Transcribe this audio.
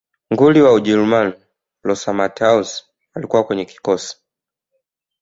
nguli wa ujerumani lothar matthaus alikuwa kwenye kikosi